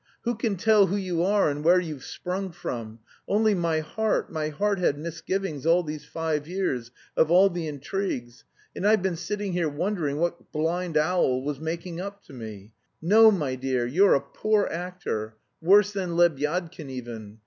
"Who can tell who you are and where you've sprung from? Only my heart, my heart had misgivings all these five years, of all the intrigues. And I've been sitting here wondering what blind owl was making up to me? No, my dear, you're a poor actor, worse than Lebyadkin even.